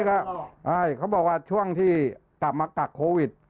ก็เขาบอกว่าช่วงที่กลับมากักโควิด